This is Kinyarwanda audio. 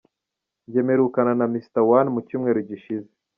Njye mperukana na Mr One mu cyumweru gishize.